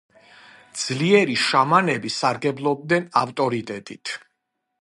ძლიერი შამანები სარგებლობდნენ ავტორიტეტით.